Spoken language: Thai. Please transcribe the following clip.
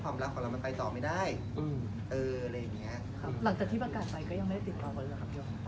หลังจากที่ประกาศไปก็ยังไม่ได้ติดต่อคนหรือครับพี่ออฟ